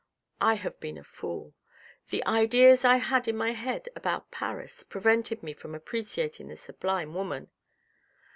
I have been a fool. The ideas I had in my head about Paris prevented me from appreciating that sublime woman.